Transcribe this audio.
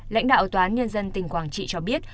lãnh đạo toán nhân dân tỉnh quảng trị cho biết